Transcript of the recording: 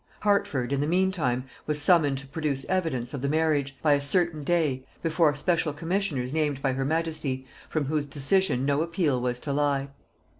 Hertford, in the mean time, was summoned to produce evidence of the marriage, by a certain day, before special commissioners named by her majesty, from whose decision no appeal was to lie.